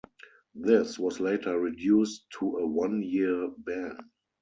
This was later reduced to a one-year ban.